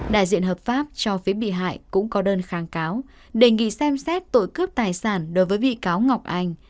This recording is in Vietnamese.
đại diện hợp pháp cho phía bị hại cũng có đơn kháng cáo đề nghị xem xét tội cướp tài sản đối với bị cáo ngọc anh